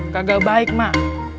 kagak baik mak